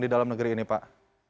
di dalam negeri ini pak